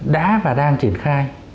đã và đang triển khai